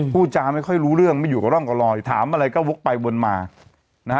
พูดจาไม่ค่อยรู้เรื่องไม่อยู่กับร่องกับรอยถามอะไรก็วกไปวนมานะฮะ